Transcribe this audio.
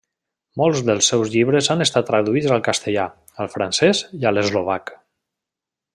Molts dels seus llibres han estat traduïts al castellà, al francès i a l'eslovac.